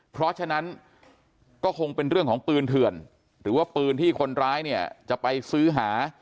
เพราะฉะนั้นก็คงเป็นเรื่องของปืนเถื่อนหรือว่าปืนที่คนร้ายเนี่ยจะไปซื้อหา